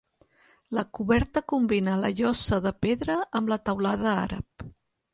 La coberta combina la llosa de pedra amb la teulada àrab.